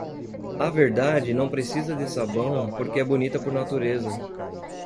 A verdade não precisa de sabão porque é bonita por natureza.